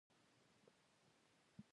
له ډېرې اندېښنې په لاره پوی شوی نه یم.